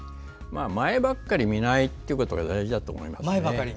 前ばかり見ないということが大事だと思います。